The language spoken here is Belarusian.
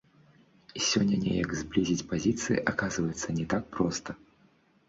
І сёння неяк зблізіць пазіцыі, аказваецца, не так проста.